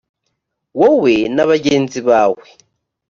wowe na bagenzi bawe